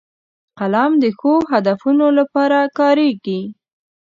قلم د ښو هدفونو لپاره کارېږي